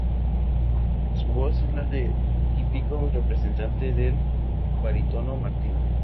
Su voz es la del típico representante del Barítono Martin.